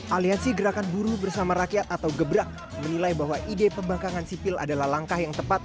aliansi gerakan buruh bersama rakyat atau gebrak menilai bahwa ide pembangkangan sipil adalah langkah yang tepat